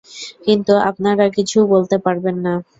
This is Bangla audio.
কিন্তু আপনারা কিছু বলতে পারবেন না।